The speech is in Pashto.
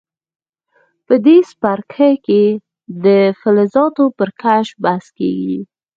په دې څپرکي کې د فلزاتو پر کشف بحث کیږي.